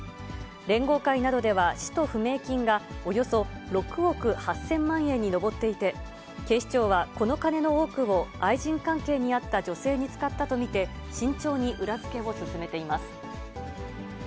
連合会などでは、使途不明金がおよそ６億８０００万円に上っていて、警視庁はこのカネの多くを愛人関係にあった女性に使ったと見て、慎重に裏付けを進めています。